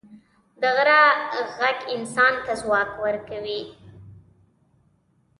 د غره ږغ انسان ته ځواک ورکوي.